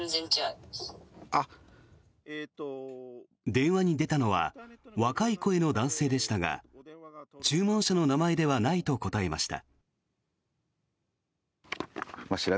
電話に出たのは若い声の男性でしたが注文者の名前ではないと答えました。